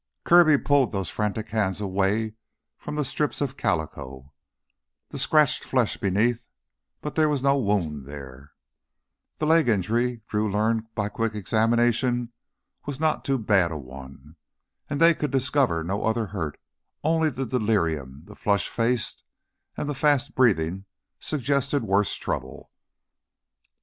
Kirby pulled those frantic hands away from the strips of calico, the scratched flesh beneath, but there was no wound there. The leg injury Drew learned by quick examination was not too bad a one. And they could discover no other hurt; only the delirium, the flushed face, and the fast breathing suggested worse trouble.